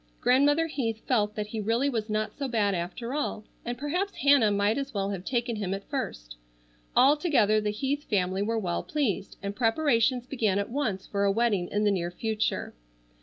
Grandmother Heath felt that he really was not so bad after all, and perhaps Hannah might as well have taken him at first. Altogether the Heath family were well pleased, and preparations began at once for a wedding in the near future.